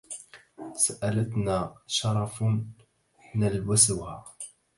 سألتنا شرف نلبسها